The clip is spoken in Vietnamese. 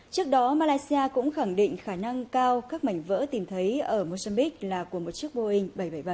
trước đó malaysia cũng khẳng định khả năng cao các mảnh vỡ tìm thấy ở mozambique là của một chiếc boeing bảy trăm bảy mươi bảy